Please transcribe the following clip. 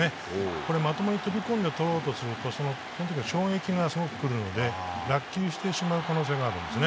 これ、まともに飛び込んでとろうとすると衝撃がすごく来るので落球してしまう可能性があるんですね。